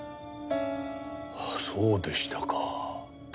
そうでしたか。